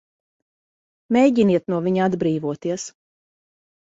Mēģiniet no viņa atbrīvoties!